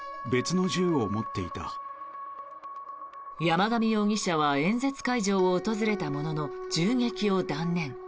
山上容疑者は演説会場を訪れたものの銃撃を断念。